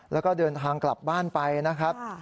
แล้วก็เดินทางกลับบ้านไปนะครับ